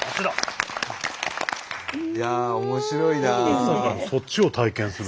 いやあ面白いなあ。